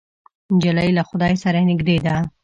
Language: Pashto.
نجلۍ له خدای سره نږدې ده.